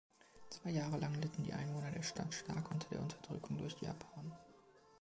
Zwei Jahre lang litten die Einwohner der Stadt stark unter der Unterdrückung durch Japan.